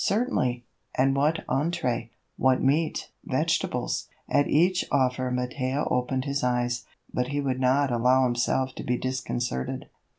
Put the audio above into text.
"Certainly." "And what entrée? What meat? Vegetables?" At each offer Mattia opened his eyes, but he would not allow himself to be disconcerted.